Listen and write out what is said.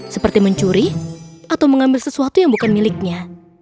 seperti mencuri atau mengambil sesuatu yang bukan miliknya